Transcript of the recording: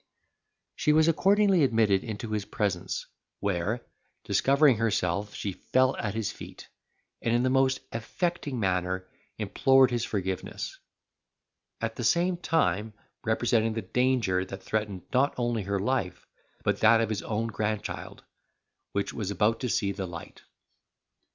She was accordingly admitted into his presence, where, discovering herself, she fell at his feet, and in the most affecting manner implored his forgiveness; at the same time representing the danger that threatened not only her life, but that of his own grandchild, which was about to see the light.